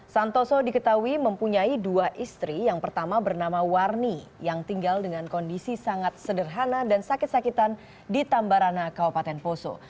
santoso diketahui mempunyai dua istri yang pertama bernama warni yang tinggal dengan kondisi sangat sederhana dan sakit sakitan di tambarana kabupaten poso